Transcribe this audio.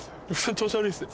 調子悪いですね